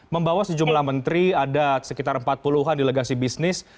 membawa sejumlah menteri ada sekitar empat puluh an delegasi bisnis